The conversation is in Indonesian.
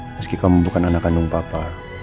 meski kamu bukan anak kandung papa